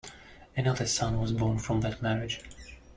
Another son was born from that marriage.